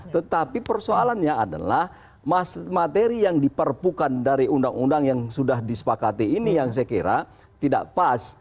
tetapi persoalannya adalah materi yang diperpukan dari undang undang yang sudah disepakati ini yang saya kira tidak pas